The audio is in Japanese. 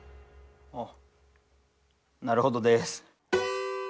あなるほどです。